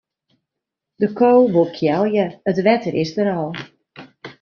De ko wol kealje, it wetter is der al.